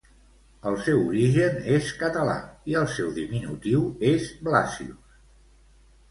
El seu origen és català i el seu diminutiu és Blasius.